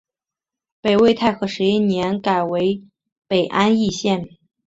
北魏太和十一年改为北安邑县。